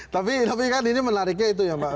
tapi kan ini menariknya itu ya mbak